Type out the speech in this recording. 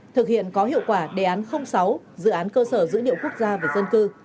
thực hiện có hiệu quả đề án sáu dự án cơ sở giữ điệu quốc gia và dân cư